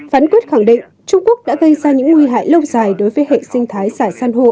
phán quyết khẳng định trung quốc đã gây ra những nguy hại lâu dài đối với hệ sinh thái giải san hô